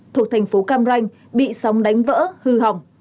thuộc thành phố cam ranh bị sóng đánh vỡ hư hỏng